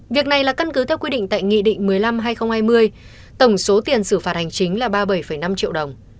việc này là căn cứ theo quy định tại nghị định một mươi năm hai nghìn hai mươi tổng số tiền xử phạt hành chính là ba mươi bảy năm triệu đồng